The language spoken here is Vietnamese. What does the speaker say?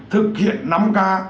thực hiện năm k